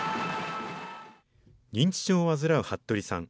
認知症を患う服部さん。